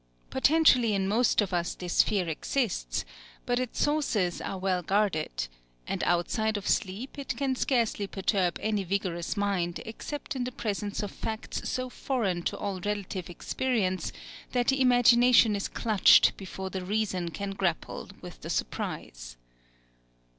Potentially in most of us this fear exists; but its sources are well guarded; and outside of sleep it can scarcely perturb any vigorous mind except in the presence of facts so foreign to all relative experience that the imagination is clutched before the reason can grapple with the surprise.